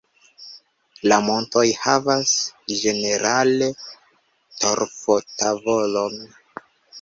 La montoj havas ĝenerale torfo-tavolon.